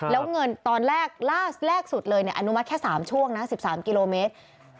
แล้วเงินตอนแรกล่าสุดเลยอนุมัติแค่๓ช่วงนะ๑๓กิโลเมตร